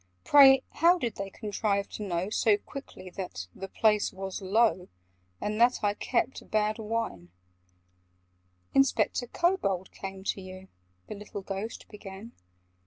Pray, how did they contrive to know So quickly that 'the place was low,' And that I 'kept bad wine'?" "Inspector Kobold came to you—" The little Ghost began.